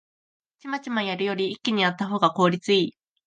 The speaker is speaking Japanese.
チマチマやるより一気にやったほうが効率いい